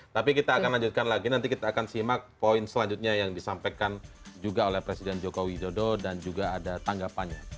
tapi kita akan lanjutkan lagi nanti kita akan simak poin selanjutnya yang disampaikan juga oleh presiden joko widodo dan juga ada tanggapannya